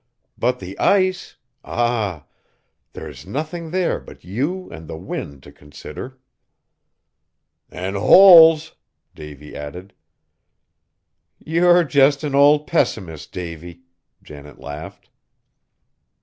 But the ice ah! There is nothing there but you and the wind to consider!" "An' holes!" Davy added. "You're just an old pessimist, Davy." Janet laughed.